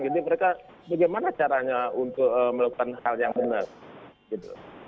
jadi mereka bagaimana caranya untuk melakukan hal yang benar gitu